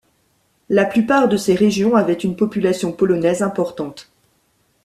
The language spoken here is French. La plupart de ces régions avaient une population polonaise importante.